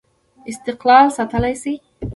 استقلال ساتلای شي.